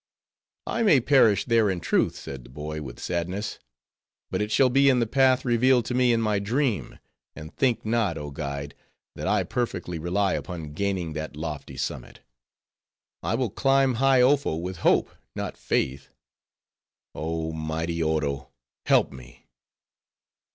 "I may perish there in truth," said the boy, with sadness; "but it shall be in the path revealed to me in my dream. And think not, oh guide, that I perfectly rely upon gaining that lofty summit. I will climb high Ofo with hope, not faith; Oh, mighty Oro, help me!"